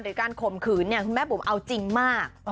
หรือการข่มขืนคุณแม่บุ๋มเอาจริงมาก